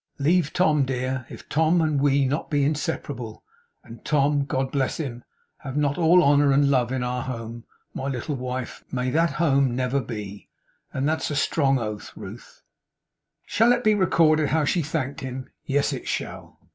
Leave Tom, dear! If Tom and we be not inseparable, and Tom (God bless him) have not all honour and all love in our home, my little wife, may that home never be! And that's a strong oath, Ruth.' Shall it be recorded how she thanked him? Yes, it shall.